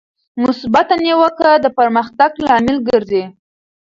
مثبته نیوکه د پرمختګ لامل ګرځي.